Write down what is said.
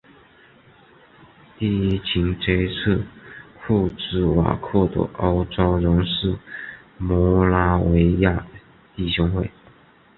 第一群接触库朱瓦克的欧洲人是摩拉维亚弟兄会。